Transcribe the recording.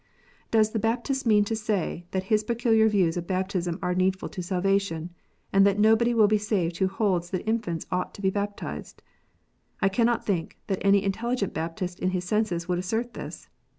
Does the Baptist mean to say that his peculiar views of baptism are needful to salvation, and that nobody will be saved who holds that infants ought to be baptized 1 I cannot think that any intelligent Baptist in his senses would assert this.